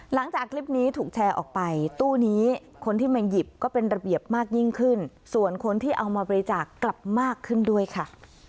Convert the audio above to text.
หลังจากคลิปนี้ถูกแชร์ออกไปตู้นี้คนที่มาหยิบก็เป็นระเบียบมากยิ่งขึ้นส่วนคนที่เอามาบริจาคกลับมากขึ้นด้วยค่ะ